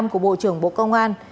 của bộ trưởng bộ công an